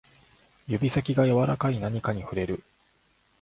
指先が柔らかい何かに触れる